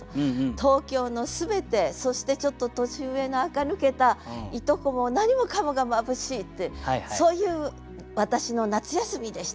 東京の全てそしてちょっと年上なあか抜けた従姉妹も何もかもが眩しいってそういう私の夏休みでした。